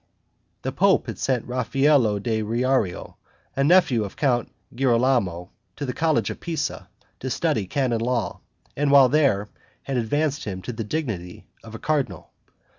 The pope had sent Raffaello di Riario, a nephew of Count Girolamo, to the college of Pisa, to study canon law, and while there, had advanced him to the dignity of a cardinal.